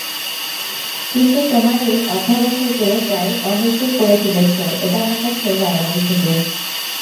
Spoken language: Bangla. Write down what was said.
কিন্তু তোমার এই অধ্যবসায়কে প্রায় অহৈতুক করে তুলেছ এটা আমার কাছে বাড়াবাড়ি ঠেকে।